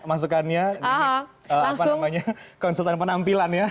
masukannya konsultan penampilan ya